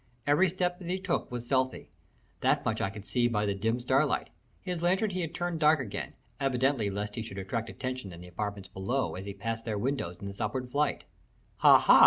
Every step that he took was stealthy that much I could see by the dim starlight. His lantern he had turned dark again, evidently lest he should attract attention in the apartments below as he passed their windows in his upward flight. "Ha! ha!"